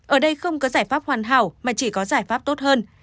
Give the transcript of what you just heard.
ở đây không có giải pháp hoàn hảo mà chỉ có giải pháp tốt hơn